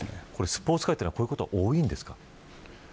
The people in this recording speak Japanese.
スポーツ界はこういうことが多いんですか。